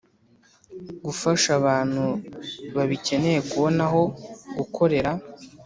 Gufasha abantu babikeneye kubona aho gukorera